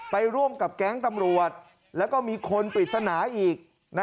ไปร่วมกับแก๊งตำรวจแล้วก็มีคนปริศนาอีก